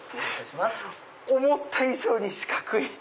⁉思った以上に四角い！